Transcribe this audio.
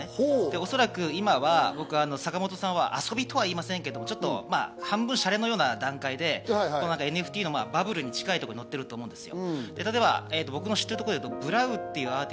おそらく今は坂本さんは遊びとは言いませんけど、半分シャレのような段階でＮＦＴのバブルに近いところと見てると思うんですよ。